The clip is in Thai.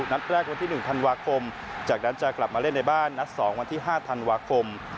นัดแรกวันที่๑ธันวาคมจากนั้นจะกลับมาเล่นในบ้านนัด๒วันที่๕ธันวาคม